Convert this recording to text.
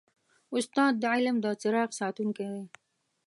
استاد د علم د څراغ ساتونکی دی.